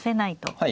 はい。